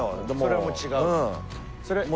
それはもう違う。